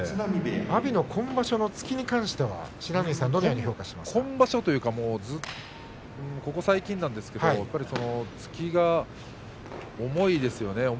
阿炎の今場所の突きに対しては、不知火さんは今場所というかここ最近なんですけれど突きが重いですよね。